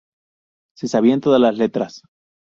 Se sabían todas las letras.